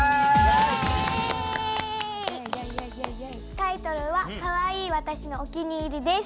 タイトルは「かわいい私のお気に入り」です。